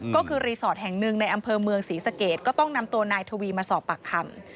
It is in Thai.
ก็คือรีสอร์ทแห่งหนึ่งในอำเภอเมืองศรีสะเกดก็ต้องนำตัวนายทวีมาสอบปากคำ